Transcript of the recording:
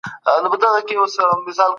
پر دې خوا لکه میږیان راخپاره سوه.